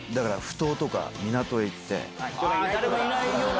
誰もいないような所に。